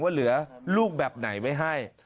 เหลือลูกแบบไหนไว้ให้